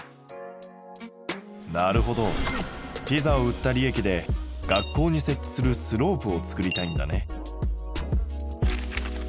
なるほどピザを売った利益で学校に設置するスロープを作りたいんだね。